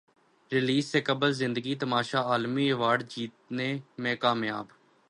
release سے قبل زندگی تماشا عالمی ایوارڈ جیتنے میں کامیاب